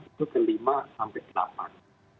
itu kelima sampai delapan